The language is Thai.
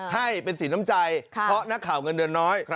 ให้เป็นสีน้ำใจเพราะนักข่าวเงินเดือนน้อย